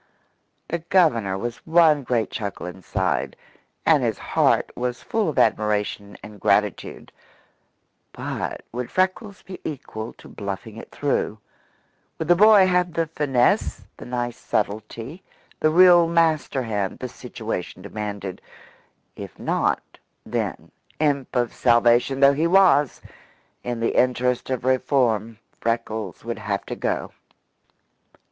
The Governor was one great chuckle inside, and his heart was full of admiration and gratitude; but would Freckles be equal to bluffing it through? Would the boy have the finesse, the nice subtlety, the real master hand, the situation demanded? If not, then imp of salvation though he was in the interest of reform, Freckles would have to go.